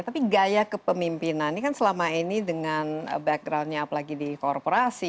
tapi gaya kepemimpinannya kan selama ini dengan backgroundnya apalagi di korporasi